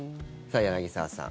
柳澤さん。